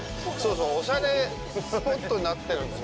そう、おしゃれスポットになってるんですよ。